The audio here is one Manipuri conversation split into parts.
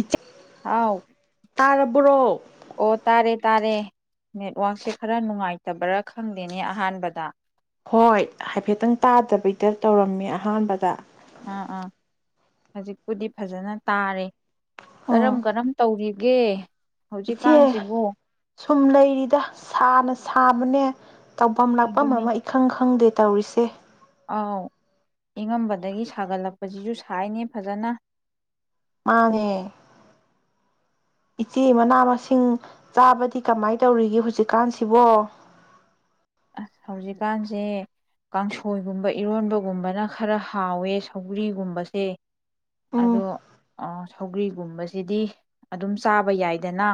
ꯏꯆꯦ ꯍꯥꯎ ꯇꯥꯔꯕ꯭ꯔꯣ ꯑꯣ ꯇꯥꯔꯦ꯫ ꯇꯥꯔꯦ ꯅꯦꯠꯋꯥꯛꯁꯦ ꯈꯔ ꯅꯨꯡꯉꯥꯏꯇꯕ꯭ꯔꯥ ꯈꯪꯗꯦꯅꯦ ꯑꯍꯥꯟꯕꯗ꯫ ꯍꯣꯏ ꯍꯥꯏꯐꯦꯠꯇꯪ ꯇꯥꯗꯕꯤꯗ ꯇꯧꯔꯝꯃꯦ ꯑꯍꯥꯟꯕꯗ꯫ ꯑꯥ ꯑꯥ ꯍꯧꯖꯤꯛꯄꯨꯗꯤ ꯐꯖꯅ ꯇꯥꯔꯦ꯫ ꯀꯔꯝ ꯑꯣ ꯀꯔꯝ ꯇꯧꯔꯤ꯫ ꯒꯦ ꯏꯆꯦ ꯁꯨꯝ ꯂꯩꯔꯤꯗ ꯁꯥꯅ ꯁꯥ ꯕꯅꯦ ꯇꯧꯐꯝ ꯂꯥꯛꯐꯝ ꯑꯗꯨꯅꯤ ꯑꯃ ꯏꯈꯪ ꯈꯪꯗꯦ꯫ ꯇꯧꯔꯤꯁꯦ ꯑꯥꯎ ꯑꯉꯝꯕꯗꯒꯤ ꯁꯥꯒꯠꯂꯛꯄꯁꯤꯁꯨ ꯁꯥꯏꯅꯦ ꯐꯖꯅ꯫ ꯃꯟꯅꯦ ꯏꯆꯦ ꯃꯅꯥ ꯃꯁꯤꯡ ꯆꯥꯕꯗꯤ ꯀꯃꯥꯏꯅ ꯇꯧꯔꯤꯒꯦ ꯍꯧꯖꯤꯛꯀꯥꯟꯁꯤꯕꯣ꯫ ꯍꯧꯖꯤꯛꯀꯥꯟꯁꯦ ꯀꯥꯡꯁꯣꯏꯒꯨꯝꯕ ꯏꯔꯣꯟꯕꯒꯨꯝꯕꯅ ꯈꯔ ꯍꯥꯎꯋꯦ ꯁꯧꯒ꯭ꯔꯤꯒꯨꯝꯕꯁꯦ꯫ ꯎꯝ ꯑꯗꯣ ꯑ ꯁꯧꯒ꯭ꯔꯤꯒꯨꯝꯕꯁꯤꯗꯤ ꯑꯗꯨꯝ ꯆꯥꯕ ꯌꯥꯏꯗꯅ꯫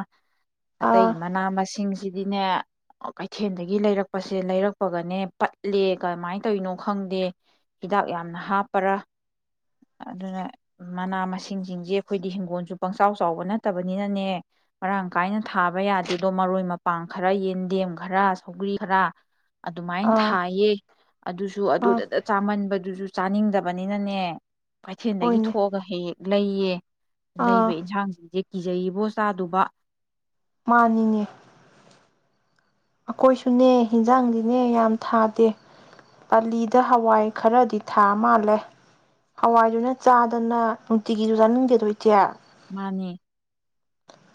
ꯑꯇꯩ ꯑꯥ ꯃꯅꯥ ꯃꯁꯤꯡꯁꯤ [unintelligible] ꯀꯩꯊꯦꯜꯗꯒꯤ ꯂꯩꯔꯛ ꯄꯁꯦ ꯂꯩꯔꯛꯄꯒꯅꯦ ꯄꯠꯂꯦ ꯀꯃꯥꯏ ꯇꯧꯏꯅꯣ ꯈꯪꯗꯦ ꯍꯤꯗꯥꯛ ꯌꯥꯝꯅ ꯍꯥꯞꯄꯔꯥ꯫ ꯑꯗꯨꯅ ꯃꯅꯥ ꯃꯁꯤꯡꯖꯤꯡꯖꯦ ꯑꯩꯈꯣꯏꯗꯤ ꯍꯤꯡꯒꯣꯜꯁꯨ ꯄꯪꯆꯥꯎ ꯆꯥꯎꯕ ꯅꯠꯇꯕꯅꯤꯅꯅꯦ ꯃꯔꯥꯡ ꯀꯥꯏꯅ ꯊꯥꯕ ꯌꯥꯗꯦꯗꯣ ꯃꯔꯣꯏ ꯃꯄꯥꯡ ꯈꯔ ꯌꯦꯟꯗꯦꯝ ꯈꯔ ꯁꯧꯒ꯭ꯔꯤ ꯈꯔ꯫ ꯑꯗꯨꯃꯥꯏꯅ ꯑꯥ ꯊꯥꯏꯌꯦ ꯑꯗꯨꯁꯨ ꯑꯥ ꯑꯗꯨꯗꯅ ꯆꯥꯃꯟꯕꯒꯤꯁꯨ ꯆꯥꯅꯤꯡꯗꯕꯅꯤꯅꯅꯦ꯫ ꯀꯩꯊꯦꯟꯗꯒꯤ ꯍꯣꯏꯅꯦ ꯊꯣꯛꯑꯒ [unintelligible] ꯂꯩꯌꯦ ꯑꯥ ꯂꯩꯕ ꯏꯟꯁꯥꯡ [unintelligible] ꯀꯤꯖꯩꯌꯦꯕꯣ ꯆꯥꯗꯨꯕ ꯃꯥꯅꯤꯅꯦ ꯑꯈꯣꯏꯁꯨꯅꯦ ꯍꯟꯖꯥꯡꯗꯤꯅꯦ ꯌꯥꯝ ꯊꯥꯗꯦ ꯄꯥꯂꯤꯗ ꯍꯋꯥꯏ ꯈꯔꯗꯤ ꯊꯥ ꯃꯥꯜꯂꯦ ꯍꯋꯥꯏꯗꯨꯅ ꯆꯥꯗꯅ ꯅꯨꯡꯇꯤꯒꯤꯁꯨ ꯆꯥꯅꯤꯡꯟꯒꯦꯗꯣ ꯏꯆꯦ ꯃꯥꯅꯦ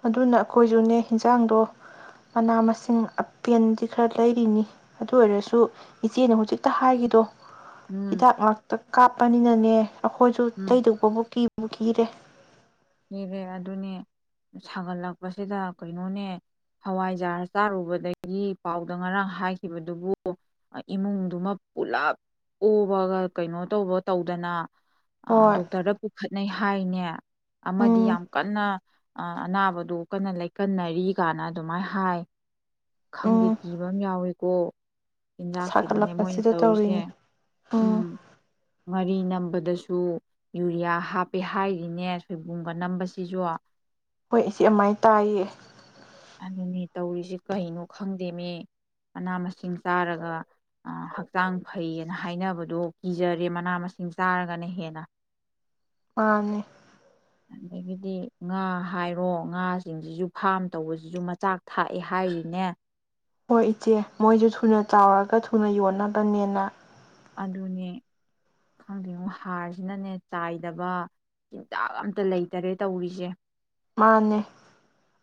ꯑꯗꯨꯅ ꯑꯈꯣꯏꯖꯨꯅꯦ ꯍꯤꯟꯖꯥꯡꯗꯣ ꯃꯅꯥ ꯃꯁꯤꯡ ꯄꯦꯟꯗꯤ ꯈꯔ ꯂꯩꯔꯤꯅꯤ ꯑꯗꯨ ꯑꯣꯏꯔꯁꯨ ꯏꯆꯦꯅ ꯍꯨꯖꯤꯛꯇ ꯍꯥꯏꯈꯤꯗꯣ ꯎꯝ ꯍꯤꯗꯥꯛ ꯉꯥꯛꯇ ꯀꯥꯞꯄꯅꯤꯅꯅꯦ ꯑꯈꯣꯏꯖꯨ ꯎꯝ ꯂꯩꯗꯧꯕꯕꯨ ꯀꯤ [unintelligible] [unintelligible] ꯑꯗꯨꯅꯦ ꯁꯥꯒꯠꯂꯛꯄꯁꯤꯗ ꯀꯩꯅꯣꯅꯦ ꯍꯋꯥꯏꯖꯥꯔ ꯆꯥꯔꯨꯕꯗꯒꯤ ꯄꯥꯎꯗ ꯉꯔꯥꯡ ꯍꯥꯏꯈꯤꯕꯗꯨꯕꯨ ꯏꯃꯨꯡꯗꯨꯃ ꯄꯨꯂꯞ ꯑꯣꯕꯒ ꯀꯩꯅꯣ ꯇꯧꯕ ꯇꯧꯗꯅ ꯑ ꯍꯣꯏ ꯗꯣꯛꯇꯔꯗ ꯄꯨꯈꯠꯅꯩ ꯍꯥꯏꯅꯦ ꯑꯃꯗꯤ ꯎꯝ ꯌꯥꯝ ꯀꯟꯅ ꯑꯅꯥꯕꯗꯨ ꯀꯟꯅ ꯂꯩꯀꯟꯅꯔꯤ ꯒꯥꯅ ꯑꯗꯨꯃꯥꯏꯅ ꯍꯥꯏ ꯈꯪꯗꯦ ꯎꯝ ꯀꯤꯕ ꯑꯃ ꯌꯥꯎꯏꯀꯣ ꯆꯤꯟꯖꯥꯛꯁꯤꯗꯅꯦ ꯃꯣꯏꯅ ꯁꯥꯒꯠꯂꯛꯄꯁꯤꯗ ꯇꯧꯔꯤꯁꯦ ꯇꯧꯔꯤꯅꯤ ꯎꯝ ꯉꯥꯔꯤ ꯅꯝꯕ ꯗꯁꯨ ꯌꯨꯔꯤꯌꯥ ꯍꯥꯞꯄꯦ ꯍꯥꯏꯔꯤꯅꯦ ꯁꯣꯏꯕꯨꯝꯒ ꯅꯝꯕꯁꯤꯁꯨ ꯍꯣꯏ ꯏꯆꯦ ꯑꯃꯥꯏꯅ ꯇꯥꯏꯌꯦ ꯑꯗꯨꯅꯤ ꯇꯧꯔꯤꯁꯦ ꯀꯩꯅꯣ ꯈꯪꯗꯦꯅꯦ ꯃꯅꯥ ꯃꯁꯤꯡ ꯆꯥꯔꯒ ꯍꯛꯆꯥꯡ ꯐꯩꯌꯦꯅ ꯍꯥꯏꯅꯕꯗꯣ ꯀꯤꯖꯔꯦ ꯃꯅꯥ ꯃꯁꯤꯡ ꯆꯥꯔꯒꯅ ꯍꯦꯟꯅ ꯃꯥꯅꯦ ꯑꯗꯒꯤꯗꯤ ꯉꯥ ꯍꯥꯏꯔꯣ ꯉꯥꯁꯤꯡꯁꯤꯁꯨ ꯐꯥꯝ ꯇꯧꯕꯁꯤꯁꯨ ꯃꯆꯥꯛ ꯊꯥꯛꯑꯦ ꯍꯥꯏꯔꯤꯅꯦ ꯍꯣꯏ ꯏꯆꯦ ꯃꯣꯏꯁꯨ ꯊꯨꯅ ꯆꯥꯎꯔꯒ ꯊꯨꯅ ꯌꯣꯟꯅꯕꯅꯦꯅ ꯑꯗꯨꯅꯦ ꯈꯪꯗꯦꯉꯣ ꯍꯥꯔꯁꯤꯅꯅꯦ ꯆꯥꯏꯗꯕ ꯆꯤꯟꯖꯥꯛ ꯑꯝꯇ ꯂꯩꯇꯔꯦ ꯇꯧꯔꯤꯁꯦ ꯃꯥꯅꯦ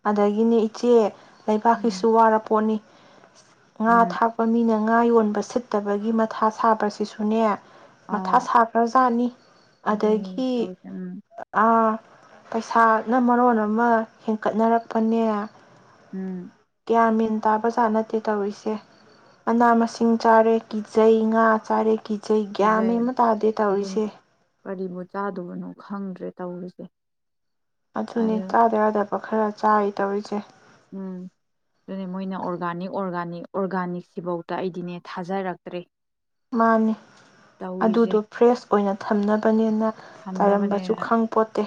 ꯑꯗꯒꯤꯅꯦ ꯏꯆꯦ ꯂꯩꯕꯥꯛꯀꯤꯁꯨ ꯎꯝ ꯋꯥꯔ ꯄꯣꯠꯅꯤ [unintelligible] ꯉꯥ ꯎꯝ ꯊꯥꯛꯄ ꯃꯤꯅ ꯉꯥ ꯌꯣꯟꯕ ꯁꯤꯠꯇꯕꯒꯤ ꯃꯊꯥ ꯁꯥꯕꯁꯤꯁꯨꯅꯦ ꯃꯊꯥ ꯑꯥꯎ ꯁꯥꯈ꯭ꯔꯖꯥꯠꯅꯤ ꯑꯗꯨꯅꯤ ꯑꯗꯒꯤ ꯇꯧꯔꯤꯁꯦ ꯎꯝ ꯑ ꯄꯩꯁꯥ [unintelligible] ꯃꯔꯣꯟ ꯑꯃ ꯍꯦꯟꯀꯠꯅꯔꯛꯄꯅꯦ ꯎꯝ ꯒ꯭ꯌꯥꯟ ꯃꯦꯟ ꯇꯥꯕ ꯖꯥꯠ ꯅꯠꯇꯦ ꯇꯧꯔꯤꯁꯦ ꯃꯅꯥ ꯃꯁꯤꯡ ꯆꯥꯔꯦ ꯀꯤꯖꯩ ꯉꯥ ꯆꯥꯔꯦ ꯀꯤ ꯏꯆꯦ ꯒ꯭ꯌꯥꯟ ꯃꯦꯟ ꯀꯤꯖꯩ ꯑꯃ ꯇꯥꯗꯦ ꯑꯗꯨꯅꯤ ꯇꯧꯔꯤꯁꯦ꯫ ꯀꯔꯤꯕꯨ ꯆꯥꯗꯣꯕꯅꯣ ꯈꯪꯗ꯭ꯔꯦ ꯇꯧꯔꯤꯁꯦ꯫ ꯑꯗꯨꯅꯦ ꯑꯗꯨꯅ ꯆꯥꯗ ꯌꯥꯥꯗ ꯈꯔ ꯆꯥꯔꯤ ꯇꯧꯔꯤꯁꯦ꯫ ꯎꯝ ꯑꯗꯨꯅꯦ ꯃꯣꯏꯅ ꯑꯣꯔꯒꯥꯅꯤꯛ ꯑꯣꯔꯒꯥꯅꯤꯛ ꯑꯣꯔꯒꯥꯅꯤꯛꯁꯤꯐꯧꯗ ꯑꯩꯗꯤꯅꯦ ꯊꯥꯖꯔꯛꯇ꯭ꯔꯦ꯫ ꯃꯥꯅꯦ ꯇꯧꯔꯤꯁꯦ ꯑꯗꯨꯗꯣ ꯐ꯭ꯔꯦꯁ ꯑꯣꯏꯅ ꯊꯝꯅꯕꯅꯦ [unintelligible] ꯆꯥꯏꯔꯝꯕꯁꯨ ꯊꯝꯅꯕꯅꯦꯅ ꯈꯪ ꯄꯣꯠꯇꯦ꯫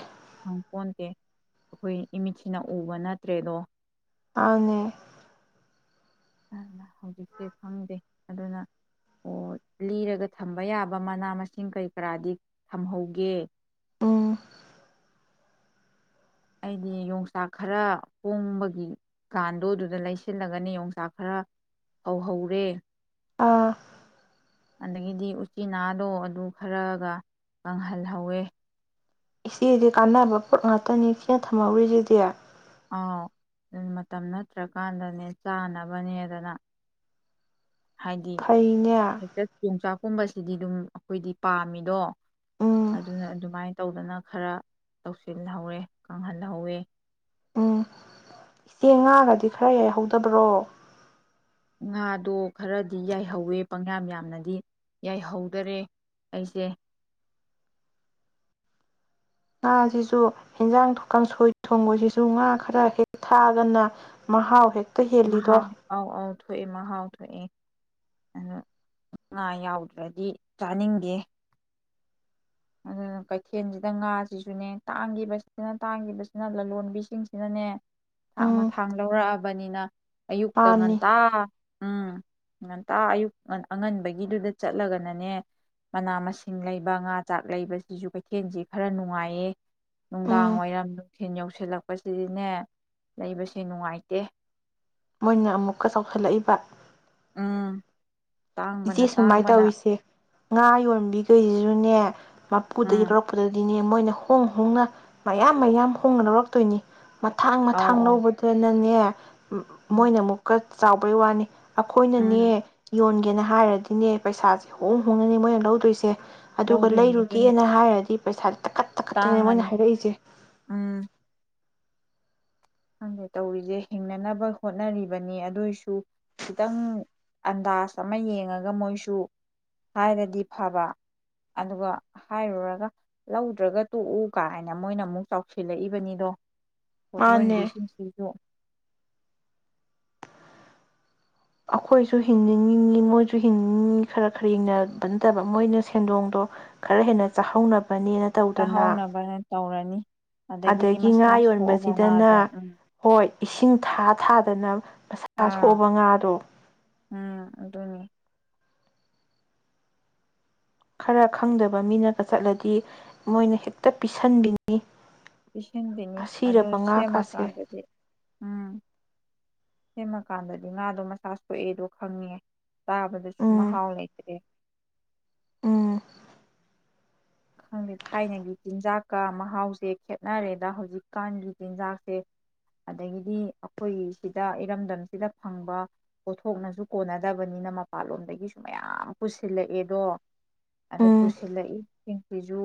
[unintelligible] ꯑꯩꯈꯣꯏ ꯏꯃꯤꯠꯁꯤꯅ ꯎꯕ ꯅꯠꯇ꯭ꯔꯦꯗꯣ ꯃꯟꯅꯦ ꯍꯧꯖꯤꯛꯁꯦ ꯈꯪꯗꯦ ꯑꯗꯨꯅ ꯑꯣ ꯂꯤꯔꯒ ꯊꯝꯕ ꯌꯥꯕ ꯃꯅꯥ ꯃꯁꯤꯡ ꯀꯩ ꯀꯔꯥꯗꯤ ꯊꯝꯍꯧꯒꯦ꯫ ꯎꯝ ꯑꯩꯗꯤ ꯌꯣꯡꯆꯥꯛ ꯈꯔ ꯄꯣꯡꯝꯕꯒꯤ ꯀꯥꯟꯗꯣ ꯑꯗꯨꯗ ꯂꯩꯁꯤꯜꯂꯒꯅꯤ ꯌꯣꯡꯆꯥꯛ ꯈꯔ ꯐꯧꯍꯧꯔꯦ꯫ ꯑꯥ ꯑꯗꯒꯤꯗꯤ ꯎꯆꯤꯅꯥꯗꯣ ꯑꯗꯨ ꯈꯔꯒ ꯀꯪꯍꯜꯍꯧꯋꯦ ꯏꯆꯦꯗꯤ ꯀꯥꯟꯅꯕ ꯄꯣꯠ ꯉꯥꯛꯇꯅꯤ ꯏꯆꯦꯅ ꯊꯝꯍꯧꯔꯤꯁꯤꯗꯤ ꯑꯥꯎ ꯃꯇꯝ ꯅꯠꯇ꯭ꯔꯀꯥꯟꯗꯅꯦ ꯆꯥꯅꯕꯅꯦꯗꯅ꯫ ꯍꯥꯏꯗꯤ ꯐꯩꯅꯦ ꯍꯦꯛꯇ ꯌꯣꯡꯆꯥꯛꯀꯨꯝꯕꯕꯁꯤ ꯁꯤꯗꯤ ꯑꯗꯨꯝ ꯑꯩꯈꯣꯏꯗꯤ ꯄꯥꯝꯃꯤꯗꯣ꯫ ꯎꯝ ꯑꯗꯨꯅ ꯑꯗꯨꯃꯥꯏꯅ ꯇꯧꯗꯅ ꯈꯔ ꯇꯧꯁꯤꯜꯍꯧꯋꯦ ꯀꯪꯍꯟꯍꯧꯋꯦ ꯎꯝ ꯏꯆꯦ ꯉꯥꯒꯗꯤ ꯈꯔ ꯌꯥꯏꯍꯧꯗꯕ꯭ꯔꯣ꯫ ꯉꯥꯗꯣ ꯈꯔꯗꯤ ꯌꯥꯏꯍꯧꯋꯦ ꯄꯪꯌꯥꯝ ꯌꯥꯝꯅꯗꯤ ꯌꯥꯏꯍꯧꯗꯔꯦ ꯑꯩꯁꯦ꯫ ꯉꯥꯁꯤꯁꯨ ꯍꯟꯖꯥꯡ ꯀꯥꯡꯁꯣꯏ ꯊꯣꯡꯕꯁꯤꯁꯨ ꯉꯥ ꯈꯔ ꯍꯦꯛ ꯊꯥꯛꯑꯒꯅ ꯃꯍꯥꯎ ꯍꯦꯛ ꯃꯍ ꯑꯥꯎ ꯑꯥꯎ ꯊꯣꯛꯣꯏꯑꯦ ꯃꯍꯥꯎ ꯄꯥꯡꯊꯣꯛꯑꯦ ꯑꯗꯨ ꯉꯥ ꯌꯥꯎꯗ꯭ꯔꯗꯤ ꯆꯥꯅꯤꯡꯗꯦ ꯑꯗꯨꯅ ꯀꯩꯊꯦꯜꯁꯤꯗ ꯉꯥꯁꯤꯁꯨꯅꯦ ꯇꯥꯡꯈꯤꯕꯁꯤꯅ ꯇꯥꯡꯈꯤꯕꯁꯤꯅ ꯂꯂꯣꯟꯕꯤꯁꯤꯡꯁꯤꯅꯅꯦ ꯊꯥꯛ ꯎꯝ ꯃꯊꯥꯡ ꯂꯧꯔꯛꯑꯕꯅꯤꯅ ꯑꯌꯨꯛꯇ ꯃꯥꯅꯤ ꯉꯟꯇꯥ ꯎꯝ ꯉꯟꯇꯥ ꯑꯌꯨꯛ ꯑꯉꯟꯕꯒꯤꯗꯨꯗ ꯆꯠꯂꯒꯅꯅꯦ ꯃꯅꯥ ꯃꯁꯤꯡ ꯂꯩꯕ ꯉꯥ ꯆꯥꯛ ꯂꯩꯕꯁꯤꯁꯨ ꯀꯩꯊꯦꯜꯁꯤ ꯈꯔ ꯅꯨꯡꯉꯥꯏꯌꯦ ꯅꯨꯡꯗꯥꯡ ꯎꯝ ꯋꯥꯏꯔꯝ ꯅꯨꯡꯊꯤꯟ ꯌꯧꯁꯤꯜꯂꯛꯄꯁꯤꯅꯦ ꯂꯩꯕꯁꯦ ꯅꯨꯡꯉꯥꯏꯇꯦ ꯃꯣꯏꯅ ꯑꯃꯨꯛꯀ ꯆꯥꯎꯁꯤꯜꯂꯛꯏꯕ ꯎꯝ ꯏꯆꯦ ꯇꯥꯡꯕꯅ ꯁꯨꯃꯥꯏꯅ ꯇꯥꯡꯕꯅ ꯇꯧꯔꯤꯁꯦ ꯉꯥ ꯌꯣꯟꯕꯤꯈꯩꯁꯨꯅꯦ ꯎꯝ ꯃꯄꯨꯗꯒꯤ ꯂꯧꯔꯛꯄꯗꯗꯤꯅꯦ ꯃꯣꯏꯅ ꯍꯣꯡ ꯍꯣꯡꯅ ꯃꯌꯥꯝ ꯃꯌꯥꯝ ꯍꯣꯡꯅ ꯂꯧꯔꯛꯇꯣꯏꯅꯤ ꯃꯊꯥꯡ ꯑꯧ ꯃꯊꯥꯡ ꯑꯧ ꯂꯧꯕꯗꯨꯅꯅꯦ [inaudible] ꯎꯝ ꯃꯣꯏꯅ ꯑꯃꯨꯛꯀ ꯆꯥꯎꯕꯩ ꯋꯥꯅꯤ ꯑꯩꯈꯣꯏꯅꯅꯦ ꯎꯝ ꯌꯣꯟ ꯍꯥꯏꯔꯗꯤꯅꯦ ꯄꯩꯁꯥꯁꯦ ꯍꯣꯡ ꯍꯣꯡꯉꯅꯤ ꯃꯣꯏꯅ ꯂꯧꯗꯣꯏꯁꯦ ꯑꯗꯨꯒ ꯂꯧꯗꯣꯏꯅꯤ ꯑꯗꯨꯅꯤ ꯂꯩꯔꯨꯒꯦꯅ ꯍꯥꯏꯔꯗꯤ ꯩꯄꯩꯁ ꯇꯥꯈꯠ ꯇꯥꯈꯠꯇꯅꯤ ꯃꯣꯏꯅ ꯇꯥꯡꯉꯅꯤ ꯍꯥꯏꯔꯛꯏꯁꯦ ꯎꯝ ꯈꯪꯗꯦ ꯇꯧꯔꯤꯁꯦ ꯍꯤꯡꯅꯅꯕ ꯍꯣꯠꯅꯔꯤꯕꯅꯤ ꯑꯗꯨꯏꯁꯨ ꯈꯤꯇꯪ ꯑꯟꯗꯥꯖ ꯑꯃ ꯌꯦꯡꯉꯒ ꯃꯣꯏꯁꯨ ꯍꯥꯏꯔꯗꯤ ꯐꯕ ꯑꯗꯨꯒ ꯍꯥꯏꯔꯨꯔꯒ ꯂꯧꯗ꯭ꯔꯒ ꯇꯣꯛꯎ ꯀꯥꯏꯅ ꯃꯣꯏꯅ ꯑꯃꯨꯛ ꯆꯥꯎꯁꯤꯜꯂꯛꯏꯕꯅꯤꯗꯣ ꯃꯥꯅꯦ ꯃꯤꯔꯣꯟꯕꯤꯁꯤꯡꯁꯤꯁꯨ ꯑꯩꯈꯣꯏꯁꯨ ꯍꯤꯡꯅꯤꯡꯉꯤꯅꯤ ꯃꯣꯏꯁꯨ ꯍꯤꯡꯅꯤꯡꯉꯤꯅꯤ ꯈꯔ ꯈꯔ ꯍꯤꯡꯅꯕ ꯅꯠꯇꯕ ꯃꯣꯏꯅ ꯁꯦꯟꯗꯣꯡꯗꯣ ꯈꯔ ꯍꯦꯟꯅ ꯆꯥꯍꯧ ꯆꯥꯍꯧꯅꯕꯅ ꯇꯧꯔꯅꯤ ꯑꯗꯒꯤꯗꯤ ꯑꯗꯒꯤ ꯃꯁꯥ ꯉꯥ ꯁꯣꯛꯑꯕ ꯌꯣꯟꯕꯁꯤꯗꯅ ꯉꯥꯗꯣ ꯎꯝ ꯍꯣꯏ ꯏꯁꯤꯡ ꯊꯥ ꯊꯥꯗꯅ ꯃꯁꯥ ꯑꯥ ꯊꯣꯛꯑꯕ ꯉꯥꯗꯨ ꯎꯝ ꯑꯗꯨꯅꯤ ꯈꯔ ꯈꯪꯗꯕ ꯃꯤꯅꯒ ꯆꯠꯂꯗꯤ ꯃꯣꯏꯅ ꯍꯦꯛꯇ ꯄꯤꯁꯟꯕꯤꯅꯤ ꯏꯁꯤꯡ ꯇꯤꯡ ꯅꯤ ꯑꯗꯨ ꯑꯁꯤꯔꯕ ꯉꯥꯀꯥꯁꯦ ꯁꯦꯝꯃꯀꯥꯟꯗꯗꯤ ꯎꯝ ꯁꯦꯝꯃꯀꯥꯟꯗꯗꯤ ꯉꯥꯗꯣ ꯃꯁꯥ ꯁꯣꯛꯑꯦꯗꯣ ꯈꯪꯉꯦ ꯆꯥꯕꯗꯁꯨ ꯎꯝ ꯃꯍꯥꯎ ꯂꯩꯇꯔꯦ ꯎꯝ ꯈꯪꯗꯦ ꯊꯥꯏꯅꯒꯤ ꯆꯤꯟꯖꯥꯛꯀ ꯃꯍꯥꯎꯁꯦ ꯈꯦꯠꯅꯔꯦꯗ ꯍꯧꯖꯤꯛꯀꯥꯟꯒꯤ ꯆꯤꯟꯖꯥꯛꯁꯦ ꯑꯗꯒꯤꯗꯤ ꯑꯩꯈꯣꯏꯒꯤ ꯁꯤꯗ ꯏꯔꯝꯗꯝꯁꯤꯗ ꯐꯪꯕ ꯄꯣꯠꯊꯣꯛꯅꯁꯨ ꯀꯣꯟꯅꯗꯕꯅꯤꯅ ꯃꯄꯥꯟꯂꯣꯝꯗꯒꯤꯁꯨ ꯃꯌꯥꯝ ꯄꯨꯁꯤꯜꯂꯛꯑꯦꯗꯣ ꯑꯗꯩꯩ ꯎꯝ ꯄꯨꯁꯤꯂꯛ ꯑꯦ ꯗꯨ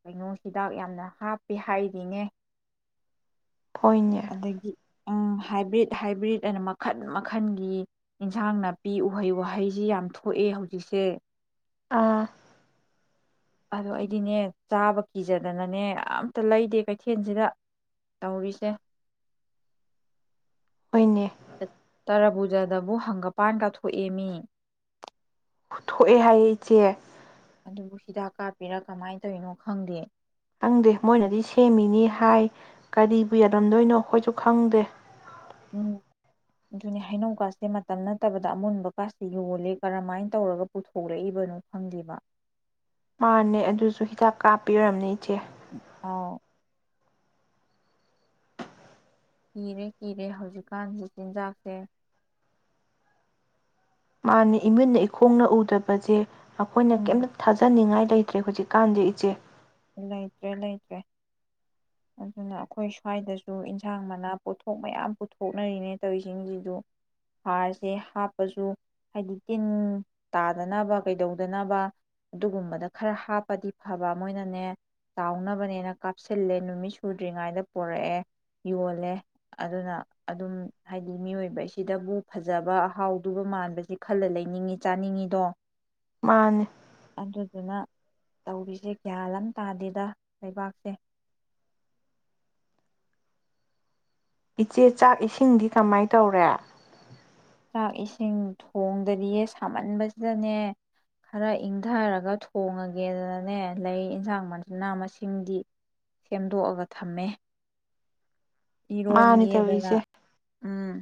ꯀꯩꯅꯣ ꯍꯤꯗꯥꯛ ꯌꯥꯝꯅ ꯍꯥꯞꯄꯤ ꯍꯥꯏꯔꯤꯅꯦ ꯍꯣꯏꯅꯦ ꯑꯗꯒꯤ ꯎꯝ ꯍꯥꯏꯕ꯭ꯔꯤꯠ ꯍꯥꯏꯕ꯭ꯔꯤꯠ ꯑꯅ ꯃꯈꯟ ꯃꯈꯟꯒꯤ ꯑꯦꯟꯁꯥꯡ ꯅꯥꯄꯤ ꯎꯍꯩ ꯋꯥꯍꯩꯁꯤ ꯌꯥꯝ ꯊꯣꯛꯑꯦ ꯍꯧꯖꯤꯛꯁꯦ ꯑꯥ ꯑꯗꯣ ꯑꯩꯗꯤꯅꯦ ꯆꯥꯕ ꯀꯤꯖꯗꯅꯅꯦ ꯑꯝꯇ ꯂꯩꯗꯦ ꯀꯩꯊꯦꯜꯁꯤꯗ ꯇꯧꯔꯤꯁꯦ ꯍꯣꯏꯅꯦ ꯇꯥꯔꯕꯣ [unintelligible] ꯗꯕꯨ ꯍꯪꯒꯄꯥꯟ ꯀꯥꯊꯣꯛꯑꯃꯤ ꯊꯣꯛꯑꯦ ꯍꯥꯏꯌꯦ ꯏꯆꯦ ꯕꯨ ꯍꯤꯗꯥꯛ ꯀꯥꯞꯄꯤꯔꯥ ꯀꯃꯥꯏꯅ ꯇꯧꯔꯤꯅꯣ ꯈꯪꯗꯦ ꯈꯪꯗꯦ ꯃꯣꯏꯅꯗꯤ ꯁꯦꯝꯃꯤꯅꯤ ꯍꯥꯏ ꯀꯔꯤꯕꯨ ꯌꯥꯜꯂꯝꯗꯣꯏꯅꯣ ꯈꯣꯏꯁꯨ ꯈꯪꯗꯦ ꯎꯝ ꯑꯗꯨꯅꯦ ꯍꯩꯅꯧꯀꯥꯁꯦ ꯃꯇꯝ ꯅꯠꯇꯕꯗ ꯑꯃꯨꯟꯕꯀꯥꯁꯦ ꯌꯣꯜꯂꯤꯦ ꯀꯔꯝꯍꯥꯏꯅ ꯇꯧꯔꯒ ꯄꯨꯊꯣꯛꯂꯛꯏꯕꯅꯣ ꯈꯪꯗꯦꯕ ꯃꯥꯅꯦ ꯑꯗꯨꯁꯨ ꯍꯤꯗꯥꯛ ꯀꯥꯞꯄꯤꯔꯝꯅꯦ ꯏꯆꯦ ꯑꯥꯎ ꯀꯤꯔꯦ ꯀꯤꯔꯦ ꯍꯧꯖꯤꯛꯀꯥꯟꯒꯤ ꯆꯤꯟꯖꯥꯛꯁꯦ ꯃꯥꯅꯦ ꯏꯃꯤꯠꯅ ꯏꯈꯣꯡꯅ ꯎꯗꯕꯁꯦ ꯑꯩꯈꯣꯏꯅ ꯎꯝ ꯀꯩꯝꯇ ꯊꯥꯖꯅꯤꯡꯉꯥꯏ ꯂꯩꯇ꯭ꯔꯦ ꯍꯧꯖꯤꯛꯀꯥꯟꯗꯤ ꯏꯆꯦ ꯂꯩꯇ꯭ꯔꯦ ꯂꯩꯇ꯭ꯔꯦ ꯑꯗꯨꯅ ꯑꯩꯈꯣꯏ ꯁ꯭ꯋꯥꯏꯗꯁꯨ ꯏꯟꯁꯥꯡ ꯃꯅꯥ ꯄꯣꯠꯊꯣꯛ ꯃꯌꯥꯝ ꯄꯨꯊꯣꯛꯅꯔꯤꯅꯦ ꯇꯧꯔꯤꯁꯤꯡꯁꯤꯗꯨ ꯍꯥꯔꯁꯦ ꯍꯥꯞꯄꯁꯨ ꯍꯥꯏꯗꯤ ꯇꯤꯟ ꯇꯥꯗꯅꯕ ꯀꯩꯗꯧꯗꯅꯕ ꯑꯗꯨꯒꯨꯝꯕꯗ ꯈꯔ ꯍꯥꯞꯄꯗꯤ ꯐꯕ ꯃꯣꯏꯅ ꯑꯗꯨꯅꯦ ꯆꯥꯎꯅꯕꯅꯦꯅ ꯀꯥꯞꯁꯤꯜꯂꯦ ꯅꯨꯃꯤꯠ ꯁꯨꯗ꯭ꯔꯤꯉꯩꯗ ꯄꯣꯔꯛꯑꯦ ꯌꯣꯜꯂꯦ ꯑꯗꯨꯅ ꯑꯗꯨꯝ ꯍꯥꯏꯗꯤ ꯃꯤꯑꯣꯏꯕꯁꯤꯗꯕꯨ ꯐꯖꯕ ꯑꯍꯥꯎꯗꯨꯒ ꯃꯥꯟꯕꯁꯤ ꯈꯜꯂ ꯂꯩꯅꯤꯡꯉꯤ ꯆꯥꯅꯤꯡꯉꯤꯗꯣ ꯃꯥꯅꯦ ꯑꯗꯨꯏꯗꯨꯅ ꯇꯧꯔꯤꯁꯦ ꯒꯌ꯭ꯥꯟ ꯑꯝ ꯇꯥꯗꯦꯗ ꯂꯩꯕꯥꯛꯁꯦ ꯏꯆꯦ ꯆꯥꯛ ꯏꯁꯤꯡꯗꯤ ꯀꯃꯥꯏ ꯇꯧꯔꯦ? ꯆꯥꯛ ꯏꯁꯤꯡ ꯊꯣꯡꯗꯔꯤꯌꯦ ꯁꯥꯃꯟꯕꯁꯤꯗꯅꯦ ꯈꯔ ꯏꯪꯊꯔꯒ ꯊꯣꯡꯉꯒꯦꯗꯅꯅꯦ ꯂꯩ ꯏꯟꯁꯥꯡ ꯃꯅꯥ ꯃꯁꯤꯡꯗꯤ ꯁꯦꯝꯗꯣꯛꯑꯒ ꯊꯝꯃꯦ ꯃꯥꯅꯦ ꯏꯔꯣꯟꯒꯦꯗꯅ ꯇꯧꯔꯤꯁꯦ ꯎꯝ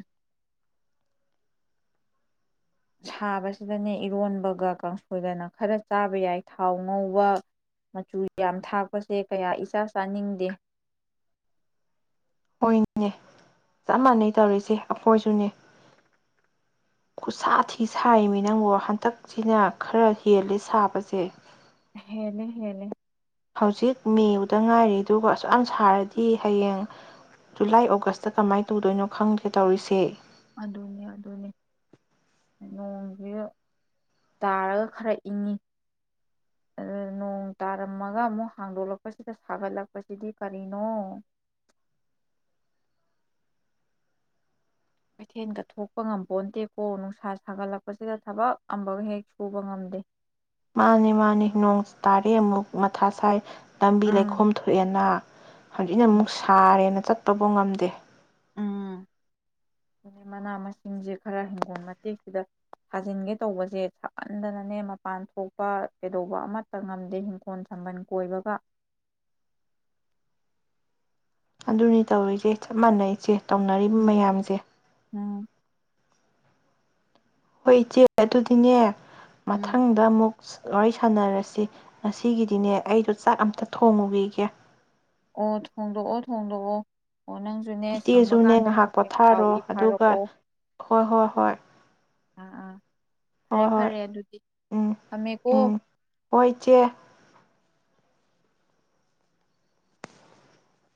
ꯁꯥꯕꯁꯤꯗꯅꯦ ꯏꯔꯣꯟꯕꯒ ꯀꯥꯡꯁꯣꯏꯗꯅ ꯈꯔ ꯆꯥꯕ ꯌꯥꯏ ꯊꯥꯎ ꯉꯧꯕ ꯃꯆꯨ ꯌꯥꯝ ꯊꯥꯛꯄꯁꯦ ꯀꯌꯥ ꯏꯆꯥ ꯆꯥꯅꯤꯡꯗꯦ꯫ ꯍꯣꯏꯅꯦ ꯆꯞ ꯃꯥꯟꯅꯩ ꯇꯧꯔꯤꯁꯦ ꯑꯩꯈꯣꯏꯁꯨꯅꯤ ꯈꯨꯠꯁꯥ ꯊꯤ ꯁꯥꯏꯃꯦ ꯅꯪꯕꫭ ꯍꯟꯇꯛꯁꯤꯅ ꯈꯔ ꯍꯦꯜꯂꯦ ꯁꯥꯕꯁꯦ꯫ ꯍꯦꯅꯦ ꯍꯦꯂꯦ꯫ ꯍꯧꯖꯤꯛ ꯃꯦꯕꯨꯗ ꯉꯥꯏꯔꯤ ꯑꯗꯨꯒ ꯑꯁꯨꯛ ꯌꯥꯝ ꯁꯥꯔꯗꯤ ꯍꯌꯦꯡ ꯖꯨꯂꯥꯏ ꯑꯣꯒꯁꯇ ꯀꯃꯥꯏꯅ ꯇꯧꯗꯣꯏꯅꯣ ꯈꯪꯗꯦ ꯇꯧꯔꯤꯁꯦ꯫ ꯑꯗꯨꯅꯦ ꯑꯗꯨꯅꯦ ꯅꯣꯡꯁꯦ ꯇꯥꯔꯒ ꯈꯔ ꯏꯪꯉꯤ ꯑꯗꯨ ꯅꯣꯡ ꯇꯥꯔꯝꯃꯒ ꯑꯃꯨꯛ ꯍꯥꯡꯗꯣꯛꯂꯛꯄꯁꯤꯗ ꯁꯥꯒꯠꯂꯛꯄꯁꯤꯗꯤ ꯀꯔꯤꯅꯣ꯫ ꯀꯩꯊꯦꯜ ꯀ ꯊꯣꯛꯣꯛꯄ ꯉꯝꯄꯟꯗꯦꯀꯣ ꯅꯨꯡꯁꯥ ꯁꯥꯒꯠꯂꯛꯄꯁꯤꯗ ꯊꯕꯛ ꯑꯃꯒ ꯍꯦꯛ ꯁꯨꯕ ꯉꯝꯗꯦ꯫ ꯃꯥꯅꯤ ꯃꯥꯅꯤ ꯅꯣꯡ ꯇꯥꯔꯦ ꯑꯃꯨꯛ ꯃꯊꯥ ꯁꯥꯏ꯫ ꯂꯝꯕꯤ ꯎꯝ ꯂꯩꯈꯣꯝ ꯊꯣꯛꯑꯦꯅ ꯍꯧꯖꯤꯛꯅ ꯑꯃꯨꯛ ꯁꯥꯔꯦꯅ ꯆꯠ ꯇꯧꯕ ꯉꯝꯗꯦ꯫ ꯎꯝ ꯑꯗꯩ ꯃꯅꯥ ꯃꯁꯤꯡꯁꯦ ꯈꯔ ꯍꯪꯈꯣꯜ ꯃꯇꯦꯛꯁꯤꯗ ꯊꯥꯖꯤꯟꯒꯦ ꯇꯧꯕꯁꯦ ꯁꯃꯟꯗꯅꯅꯦ ꯃꯄꯥꯟ ꯊꯣꯛꯄ ꯀꯩꯗꯧꯕ ꯑꯃꯠꯇ ꯉꯝꯗꯦ ꯍꯤꯡꯈꯣꯜ ꯁꯝꯕꯟ ꯀꯣꯏꯕꯒ꯫ ꯑꯗꯨꯅꯤ ꯇꯧꯔꯤꯆꯦ ꯆꯞ ꯃꯥꯟꯅꯩ ꯏꯆꯦ꯫ ꯇꯧꯅꯔꯤꯕ ꯎꯝ ꯃꯌꯥꯝꯁꯦ꯫ ꯎꯝ ꯍꯣꯏ ꯏꯆꯦ ꯑꯗꯨꯗꯤꯅꯦ ꯎꯝ ꯃꯊꯪꯗ ꯑꯃꯨꯛ ꯋꯥꯔꯤ ꯁꯥꯟꯅꯔꯁꯤ ꯉꯁꯤꯒꯤꯗꯤꯅꯦ ꯑꯩꯗꯣ ꯆꯥꯛ ꯑꯇ ꯊꯣꯡꯉꯨꯒꯤꯒꯦ꯫ ꯑꯣ ꯊꯣꯡꯗꯣꯛꯑꫭ ꯊꯣꯡꯗꯣꯛꯑꫭ꯫ ꯏꯆꯦꯁꯨꯅꯦ ꯉꯥꯏꯍꯥꯛ ꯄꯥꯎ ꯄꯣꯊꯥꯔꯣ ꯏ ꯑꯗꯨꯒ ꯐꯥꯔꯛꯑꯣ ꯍꯣꯏ ꯍꯣꯏ ꯍꯣꯏ꯫ ꯑ ꯑꯥ ꯐꯔꯦ ꯍꯣꯏ ꯍꯣꯏ ꯐꯔꯦ ꯑꯗꯨꯗꯤ ꯎꯝ ꯊꯝꯃꯦꯀꯣ꯫ ꯎꯝ ꯍꯣꯏ ꯏꯆꯦ